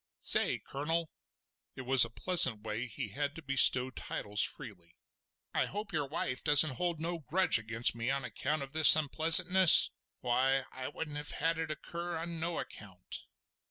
Say Colonel!" it was a pleasant way he had to bestow titles freely—"I hope your wife don't hold no grudge against me on account of this unpleasantness? Why, I wouldn't have had it occur on no account."